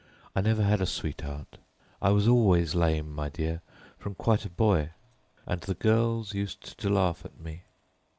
I never had a sweetheart. I was always lame, my dear, from quite a boy; and the girls used to laugh at me."